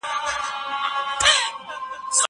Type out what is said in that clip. زه له سهاره د کتابتوننۍ سره خبري کوم؟!